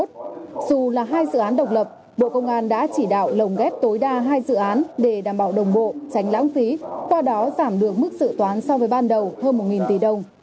dù là hai dự án độc lập bộ công an đã chỉ đạo lồng ghép tối đa hai dự án để đảm bảo đồng bộ tránh lãng phí qua đó giảm được mức dự toán so với ban đầu hơn một tỷ đồng